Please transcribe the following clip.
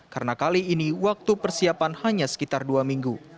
karena kali ini waktu persiapan hanya sekitar dua minggu